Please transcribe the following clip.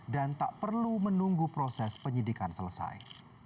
dan tak perlu menunggu proses penyidikan selesai